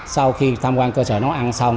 sau khi tham quan cơ sở nấu ăn xong